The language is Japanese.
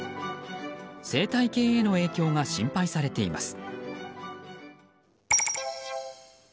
生態系への影響が心配されています。